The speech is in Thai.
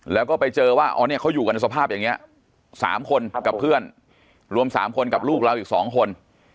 แล้วก็ไปเจอว่าอ๋อเนี่ยเขาอยู่กันสภาพอย่างนี้๓คนกับเพื่อนรวม๓คนกับลูกเราอีก๒คน